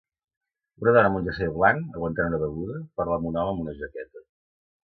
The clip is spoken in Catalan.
Una dona amb un jersei blanc, aguantant una beguda, parla amb un home amb una jaqueta.